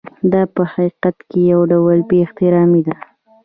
دا په حقیقت کې یو ډول بې احترامي ده.